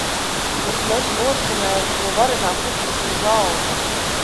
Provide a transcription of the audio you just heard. Viss mežs noskanēja no varenās uzbrukumu zalves.